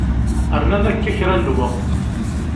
Rnan akka kra n lweqt.